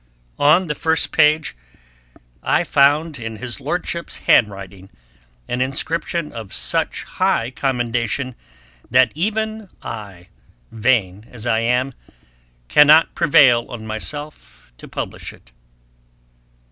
On the first leaf I found in his Lordship's hand writing, an inscription of such high commendation, that even I, vain as I am, cannot prevail on myself to publish it.